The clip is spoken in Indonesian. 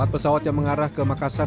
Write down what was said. empat pesawat yang mengarah ke makassar